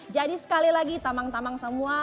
jadi sekali lagi tamang tamang semua